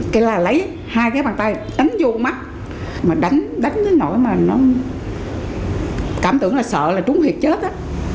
cái là lấy hai cái bàn tay đánh vô mắt mà đánh đánh cái nỗi mà nó cảm tưởng là sợ là trúng hiệt chết á